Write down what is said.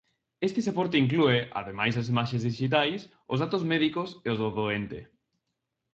Este soporte inclúe, ademais das imaxes dixitais, os datos médicos e os do doente.